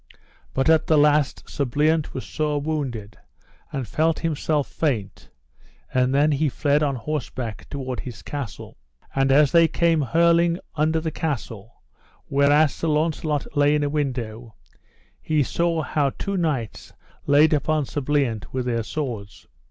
But at the last Sir Bliant was sore wounded, and felt himself faint; and then he fled on horseback toward his castle. And as they came hurling under the castle whereas Sir Launcelot lay in a window, [he] saw how two knights laid upon Sir Bliant with their swords.